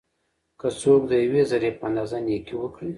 که څوک د یوې ذري په اندازه نيکي وکړي؛